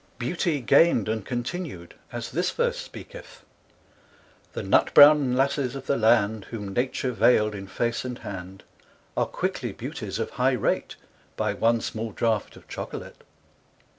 Beauty gaind and continued, as this verse speaketh, The Nut Browne Lasses of the Land, Whom Nature vail'd in Face and hand, Are quickly Beauties of High Rate, By one small Draught of Chocolate.